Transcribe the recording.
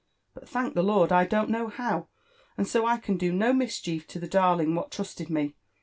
'* But, thank the Lord, I don't know how ; and go I can do no mischief to the darling what trusted me.